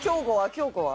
京子は？